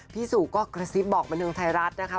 พี่สุก็กระซิบบอกบันเทิงไทยรัฐนะคะ